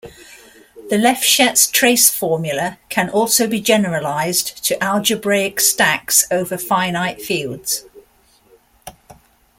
The Lefschetz trace formula can also be generalized to algebraic stacks over finite fields.